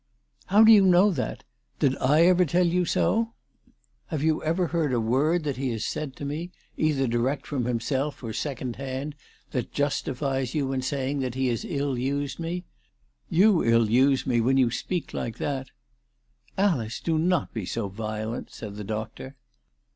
" How do you know that ? Did I ever tell you so ? 358 ALICE DUGDALE. Have you ever heard a word that he has said to me, either direct from himself, or second hand, that justifies you in saying that he has ill used me? You ill use me when you speak like that." " Alice, do not be so violent," said the doctor.